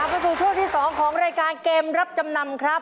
ไปสู่ช่วงที่๒ของรายการเกมรับจำนำครับ